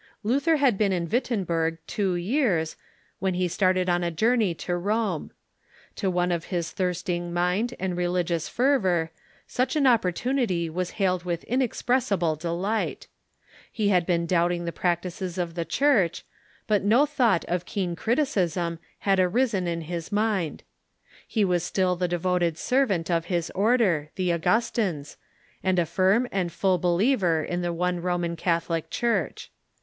Luther had been in Wittenberg two years, when he start ed on a journey to Rome. To one of his thirsting mind and religious fervor such an opportunit}^ was hailed with inex pressible delight. He had been doubting the practices of the Church, but no thought of keen criticism had arisen in liis mind. He was still the devoted servant of his order, the Augustines, and a firm and full believer in the one Roman Catholic Church.